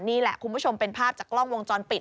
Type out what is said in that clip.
นี่แหละคุณผู้ชมเป็นภาพจากกล้องวงจรปิด